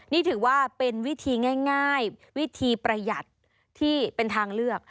นี่ถือว่าเป็นวิธีง่ายวิธีประหยัดที่เป็นทางเลือก